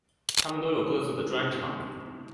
他们都有各自的专长。